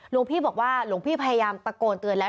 หลวงพี่บอกว่าหลวงพี่พยายามตะโกนเตือนแล้ว